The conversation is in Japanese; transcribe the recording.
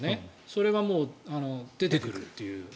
それが出てくるという。